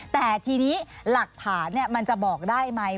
แต่ทีนี้หลักฐานมันจะบอกได้ไหม